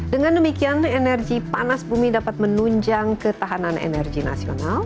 dengan demikian energi panas bumi dapat menunjang ketahanan energi nasional